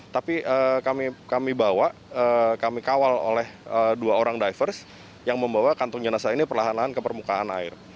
tapi kami bawa kami kawal oleh dua orang divers yang membawa kantong jenazah ini perlahan lahan ke permukaan air